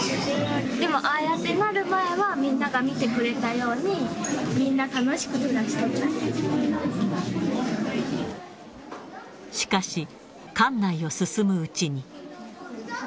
でも、ああやってなる前は、みんなが見てくれたように、しかし、館内を進むうちに。